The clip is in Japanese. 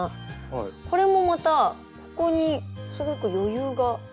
これもまたここにすごく余裕があるんですね。